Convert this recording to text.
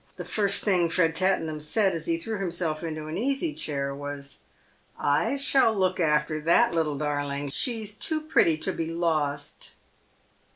The first thing Fred Tattenham said, as he threw himself into an easy chair, was, " I shall look after that little darling, she's too pretty to be lost."